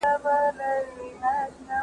فقهاء د خطاوتلي په اړه څه اختلاف لري؟